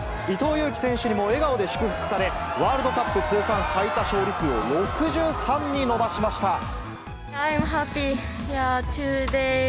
伊藤有希選手にも笑顔で祝福され、ワールドカップ通算最多勝利数を６３に伸ばしました。